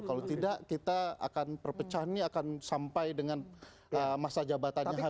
kalau tidak kita akan perpecahan ini akan sampai dengan masa jabatannya hari ini